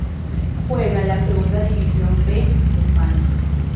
Juega en la Segunda División B de España.